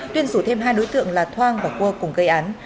tuyên rủ thêm hai đối tượng là thoang và cua cùng gây án